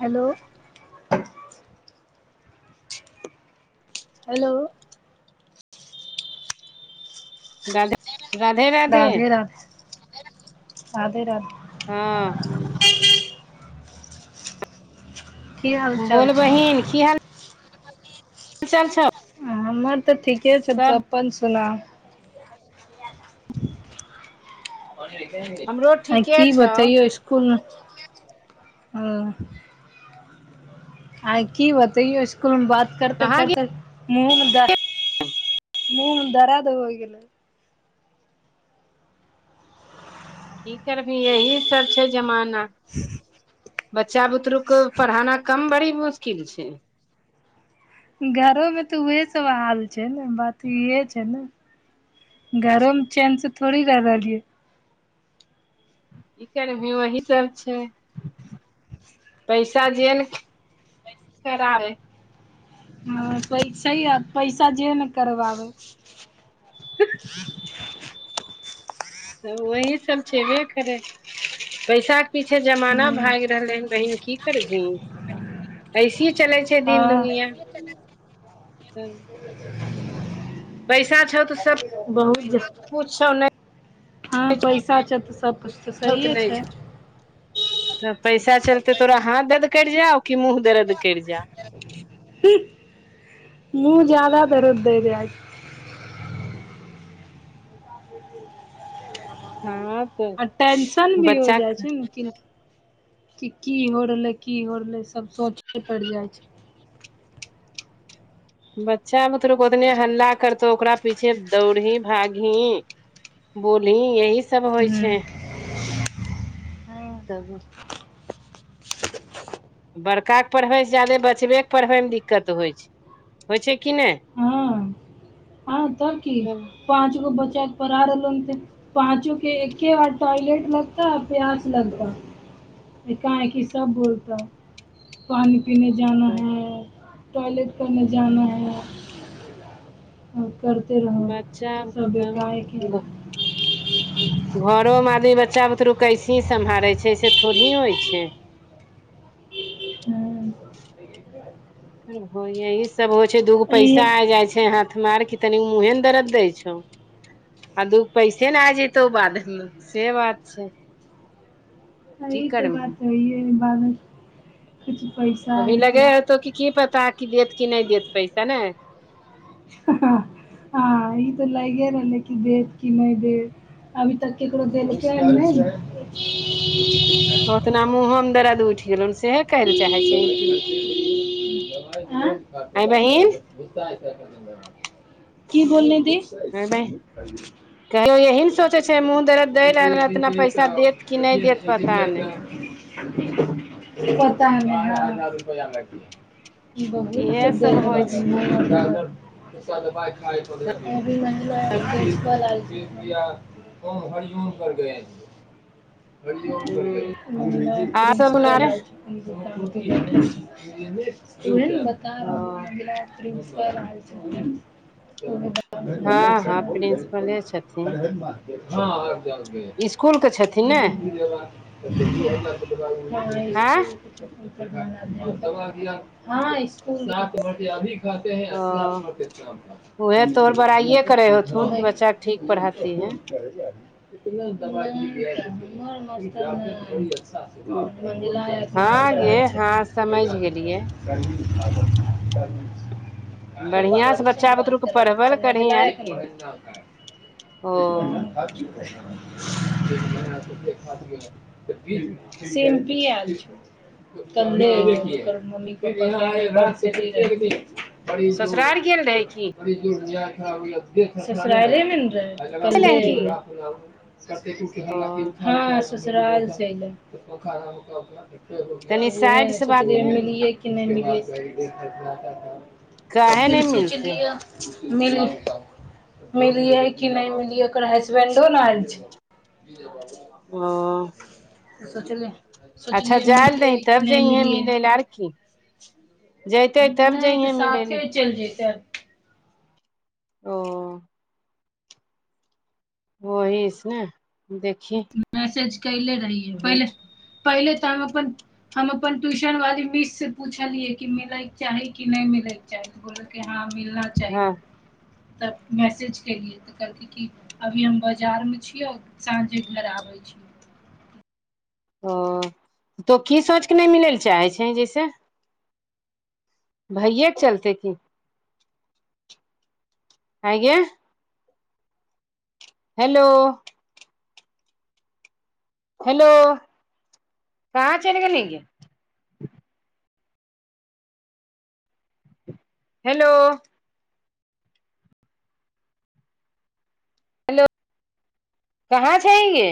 Hello hello Radhe Radhe- Radhe Radhe- Radhe हँ की हाल चाल बोल छै बहिन की हाल चाल छौ हमर तऽ ठीके छैय तू सब अपन सुना। हमरो आ ठीके की छौ बतैयौ इसकुल में ह आय की बतैयौ इसकुल मे बात करते कहाँ गेल करते मुंह द मुंह में दरद हो गेल। की करबही यही सब छैय जमाना बच्चा बुतरु के पढ़ाना कम बड़ी मुश्किल छैय। घरो मे तऽ उहे सब हाल छैय ने बात इह छैय ने। घरोमें चेन से थोड़ी कर रहलिय है। क करबी वही सब छैय। पैसा जे ने कराबे। हँ पैस पैसा जे ने करवाबै। [inaudible] वही सब छेबे करै पैसा पीछे जमाना भागि ह रहलै हन बहिन की करबही। ऐसे चलै छैय दिन हँ दुनिया ह। छौ तऽ सब [unintelligible] बहु कुछ छौ नहि हँ पैसा छैय तऽ सब तऽ [unintelligible] सहिए नहि छै छैय। तऽ पैसा चलते तोरा हाथ दर्द कर जा हो कि मुँह दर्द करी जा हो। मुँह ज्यादा दरद दे रहल छैय। हँ तऽ आ टेंशन भी हो बच्चा जाइ छैय ने कि कि की हो रहलै की हो रहलै सब सोचे पड़ि जाइ छैय। बच्चा बुतरुक ओतने हल्ला करतौ ओकरा पीछे दौड़ही भागही बोलही यही सब होइ हूँ छैय तब बड़काके पढ़बैसँ जादे बचबेके पढ़बैमे दिक्कत होइ छैय होइ छैय कि नहि। हँ हँ तब की पाँच गो बच्चा पढ़ रहलोे पाँचो के एके बार टॉयलेट लगता आ प्यास लगता। एका एकी सब बोलतौ पानि पीने जाना है टॉयलेट करने जाना है। आओर करते रहब बच्चा सब एकारायके। घरो मे आदमी बच्चा बुतरु कैसे सम्हारे छैय ऐसेे थोड़ी होइ छैय। हँ होये इस सब होइ छैय दूगो ई पैसा आ जाइ छैय हाथ मार के तनि मुहे ने दर्द देै छौ आ दू पैसे ने आ जेते तौ बाद में से बात छैय। इ त बात सइये ह बाद किछ पैसा अभी एते लगे ह तो क की पता क देत किी नहि देत पैसा ने ह ह ई त लगर लै कि देव की नहि देत अभी तक ककरो देेलक य नइ नऽ ओतना मुँहमे दर्द उइठ गेलहु सएहे कहै ल चाहै छी की [inaudible] की बोललो दी हेयो यही ने सोचे छै मुह दरद मुझे एक रहलै दिन इतना पैसा देत कि नय देत पता के नय तऽ पता नय हँ बहुत इहे सुध सब होइ छै [unintelligible] [inaudible] [unintelligible] ओम हरिओम पर गए हूँ आ सब उनारे [inaudible] ओ [unintelligible] [unintelligible] हँ हँ प्रिंसिपले छथिन हँ स्कूल के छथिन ने [inaudible] आँय [inaudible] ओ उहे तोहर बड़ाइए करै [inaudible] होथुन कि बच्चाके ठीक पढ़ाती है [inaudible] [inaudible] हँ गे हँ [inaudible] समझ गेलियै आबू छै ने बढ़िआं से बच्चा बुतरु के बात पढ़बल करही आर की कर तऽ ओ मजा नु [inaudible] सिम्पी ऐल छै [inaudible] ओ ससुराइरे ससुरार गेल रहै की मे नऽ रहै कल्ले एलैहन की ओ हँ ससुराइर से एलै तनी उहे साइड से बात सोचलियै करे ने मिलिये कि नय मिलिये काहे फिर नहि मिलतै सोचलिया मिल - मिलियै कि नय मिलियै ओकर हसबैंडो नऽ आयल छै [inaudible] ओ सोचले सोचलियै मिलियै की नय मिलियै चरखी नय तऽ मिलै साथे लए चैल जतै ओ वहीस से नय मैसेज कैले रहिए होइ पहिले छै पहिले तऽ हम अपन हम अपन ट्यूशन वाली मिस से पूछलियै की मिले केँ चाही की नय मिले चाही बोलकै हँ मिलना चाहि हँ तब मैसेज केलियै तऽ कहलकै कि अभी हम बाजारमे छियै साँझे घर आबे छियो ओ तो की सोच कऽ नच मिलै लऽ चाहै छै जैसे भैयए केँ चलते की अइ गे हेलो हेलो कहाँ चैल गेलही गे हेलो हेलो कहाँ छै ही गे